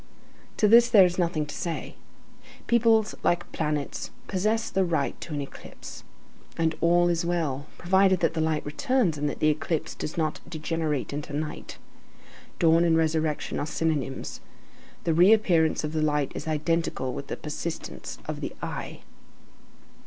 To this there is nothing to say. Peoples, like planets, possess the right to an eclipse. And all is well, provided that the light returns and that the eclipse does not degenerate into night. Dawn and resurrection are synonymous. The reappearance of the light is identical with the persistence of the I.